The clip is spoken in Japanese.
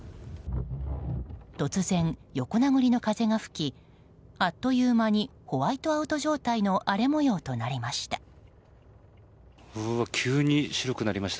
突然、横殴りの風が吹きあっという間にホワイトアウト状態の急に白くなりました。